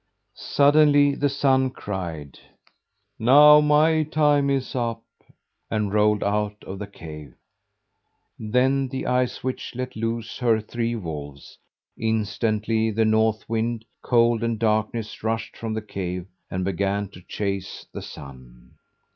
Suddenly the Sun cried: "Now my time is up!" and rolled out of the cave. Then the Ice Witch let loose her three wolves. Instantly the North Wind, Cold, and Darkness rushed from the cave and began to chase the Sun.